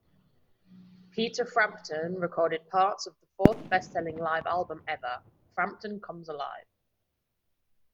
Peter Frampton recorded parts of the fourth best-selling live album ever, Frampton Comes Alive!